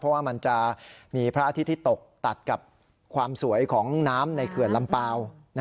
เพราะว่ามันจะมีพระอาทิตย์ที่ตกตัดกับความสวยของน้ำในเขื่อนลำเปล่า